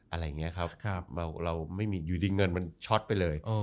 อะไรอย่างนี้ครับเราไม่มีอยู่ดีเงินมันช็อตไปเลย